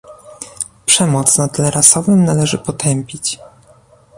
Przemoc na tle rasowym należy potępić